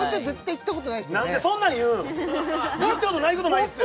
行ったことないことないですよ